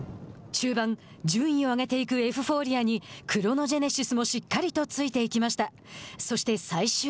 中盤順位を上げていくエフフォーリアにクロノジェネシスもしっかりとついていきました。